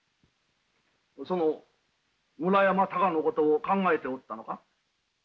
その村山たかのことを考えておったのか？